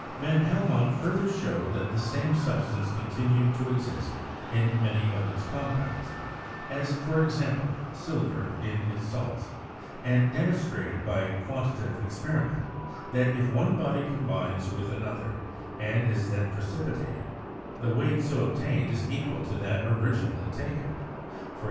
Van Helmont further showed that the same substance continued to exist in many of its compounds, as, for ex ample, silver in its salts; and demonstrated by quantita tive experiment that if one body combines with another and is then precipitated, the weight so obtained is equal to that originally taken; e.g.